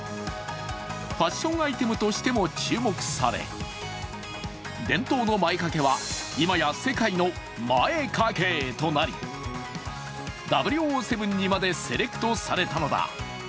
ファッションアイテムとしても注目され、伝統の前掛けは今や世界のＭＡＥＫＡＫＥとなり「００７」にまでセレクトされたのだ。